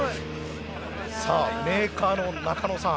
さあメーカーの中野さん。